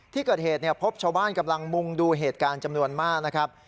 ที่เกิดเหตุพบชาวบ้านกำลังมุ่งดูเหตุการณ์จำนวนมากนะครับ